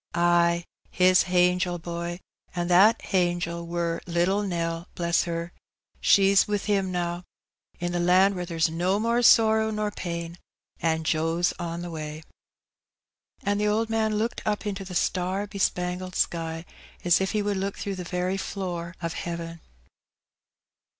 "Ay, His hangel, boy. An' that hangel war little Nell, bless her ! she's wi' Him now, in the land where there's no more sorrow nor pain, an' Joe's on the way." And the old man looked up into the star bespangled sky, as if he would look through the very floor of heaven.